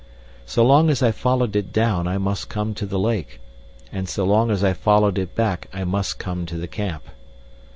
So long as I followed it down I must come to the lake, and so long as I followed it back I must come to the camp.